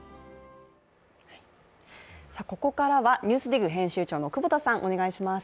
ここからはＮＥＷＳＤＩＧ編集長の久保田さん、お願いします。